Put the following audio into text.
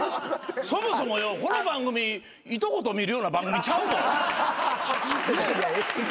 そもそもよこの番組いとこと見るような番組ちゃうぞ。